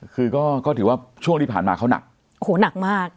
คือก็ก็ถือว่าช่วงที่ผ่านมาเขาหนักโอ้โหหนักมาก